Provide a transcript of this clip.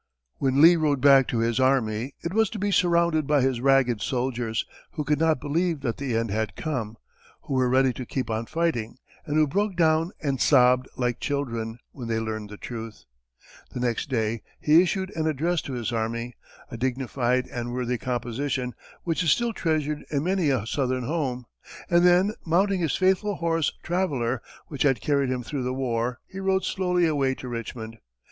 [Illustration: LEE] When Lee rode back to his army, it was to be surrounded by his ragged soldiers, who could not believe that the end had come, who were ready to keep on fighting, and who broke down and sobbed like children when they learned the truth. The next day, he issued an address to his army, a dignified and worthy composition, which is still treasured in many a southern home; and then, mounting his faithful horse, Traveller, which had carried him through the war, he rode slowly away to Richmond.